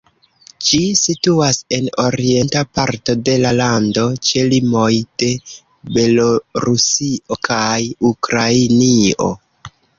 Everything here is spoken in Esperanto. Ĝi situas en orienta parto de la lando ĉe limoj de Belorusio kaj Ukrainio.